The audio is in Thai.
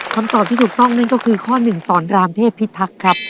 คำตอบที่ถูกต้องนั่นก็คือข้อหนึ่งสอนรามเทพพิทักษ์ครับ